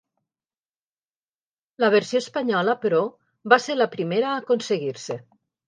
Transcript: La versió espanyola, però, va ser la primera a aconseguir-se.